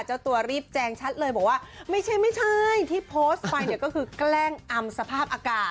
เจ้าตัวรีบแจงชัดเลยบอกว่าไม่ใช่ไม่ใช่ที่โพสต์ไปเนี่ยก็คือแกล้งอำสภาพอากาศ